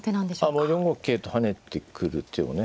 もう４五桂と跳ねてくる手をね